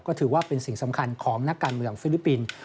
ก็ถือว่าเป็นสิ่งสำคัญของนักการเมืองฟิลิปปินส์